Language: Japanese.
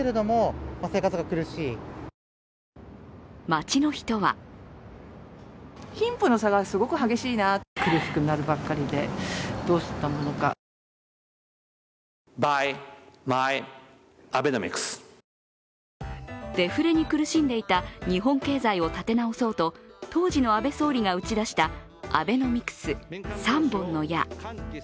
街の人はデフレに苦しんでいた日本経済を立て直そうと当時の安倍総理が打ち出したアベノミクス＝三本の矢。